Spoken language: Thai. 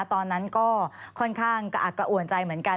ตอนนั้นก็ค่อนข้างกระอักกระอ่วนใจเหมือนกัน